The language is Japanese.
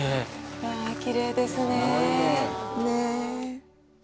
うわぁ、きれいですね。